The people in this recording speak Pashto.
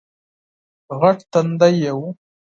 غټ تندی یې وو